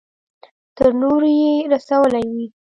تر نورو يې رسولې وي.